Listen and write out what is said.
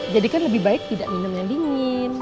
jadi kan lebih baik tidak minum yang dingin